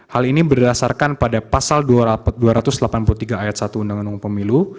hal ini berdasarkan pada pasal dua ratus delapan puluh tiga ayat satu undang undang pemilu